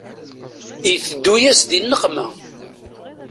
Iteddu-yas di nneqma.